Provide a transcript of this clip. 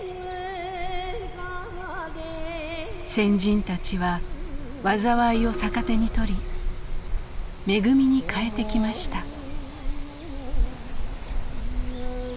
先人たちは災いを逆手に取り恵みに変えてきました。